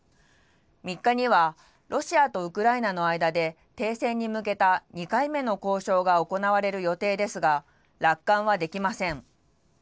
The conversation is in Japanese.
３日には、ロシアとウクライナの間で停戦に向けた２回目の交渉が行われる予定ですが、楽観はできません。